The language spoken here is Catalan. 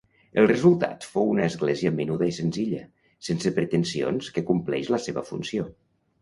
El resultat fou una església menuda i senzilla, sense pretensions que compleix la seva funció.